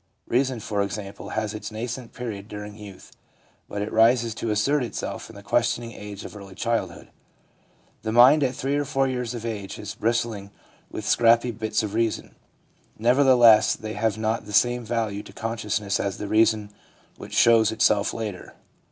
Reason, for example, has its nascent period during youth ; but it rises to assert itself in the questioning age of early childhood. The mind at 3 or 4 years of age is bristling with scrappy bits of reason ; nevertheless, they have not the same value to consciousness as the reason which shows itself later.